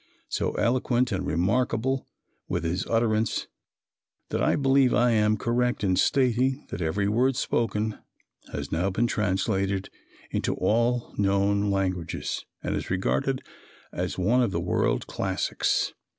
So eloquent and remarkable was his utterance that I believe I am correct in stating that every word spoken has now been translated into all known languages and is regarded as one of the World Classics.